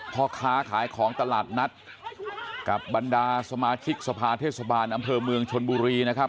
พ่อค้าขายของตลาดนัดกับบรรดาสมาชิกสภาเทศบาลอำเภอเมืองชนบุรีนะครับ